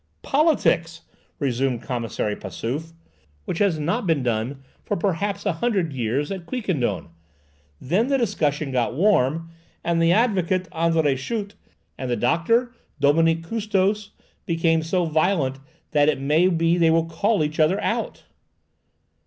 "Politics!" resumed Commissary Passauf, "which has not been done for perhaps a hundred years at Quiquendone. Then the discussion got warm, and the advocate, André Schut, and the doctor, Dominique Custos, became so violent that it may be they will call each other out."